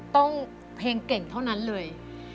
ต้องเพลงเก่งเท่านั้นเลย